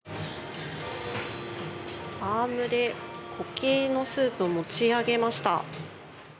アームで固形のスープを持ち上げました。